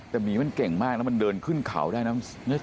แต่หมีมันเก่งมากแล้วมันเดินขึ้นเขาได้นะ